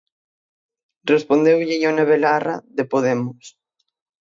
Respondeulle Ione Belarra, de Podemos.